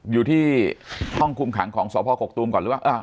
อยู่ที่ห้องคุมขังของสพกกตูมก่อนหรือว่า